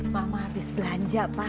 mama habis belanja pa